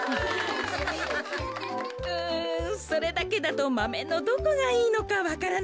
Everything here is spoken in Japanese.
うんそれだけだとマメのどこがいいのかわからないけど。